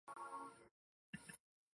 布万龙属地区。